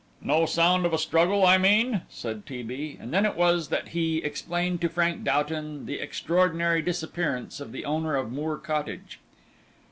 "No sound of a struggle, I mean," said T. B., and then it was that he explained to Frank Doughton the extraordinary disappearance of the owner of Moor Cottage.